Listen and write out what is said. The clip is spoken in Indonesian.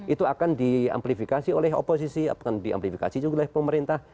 itu akan diamplifikasi oleh oposisi akan diamplifikasi juga oleh pemerintah